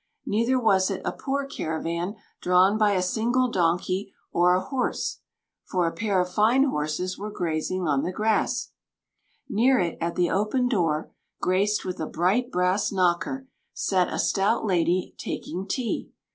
Neither was it a poor caravan drawn by a single donkey or horse, for a pair of fine horses were grazing on the grass. Near it at the open door (graced with a bright brass knocker) sat a stout lady taking tea.